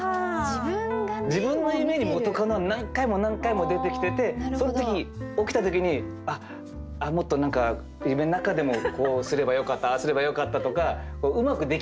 自分の夢に元カノが何回も何回も出てきててその時起きた時にあっもっと何か夢の中でもこうすればよかったああすればよかったとかうまくできなかったんですよね。